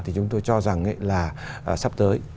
thì chúng tôi cho rằng là sắp tới